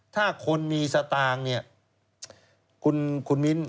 ถ้าคนมีสตางก์คุณมิ้น